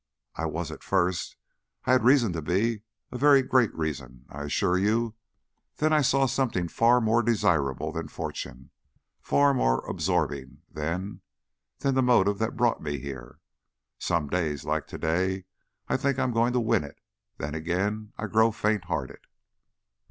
"I was, at first. I had reason to be; a very great reason, I assure you. Then I saw something far more desirable than fortune, far more absorbing than than the motive that brought me here. Some days, like today, I think I'm going to win it, then again I grow faint hearted."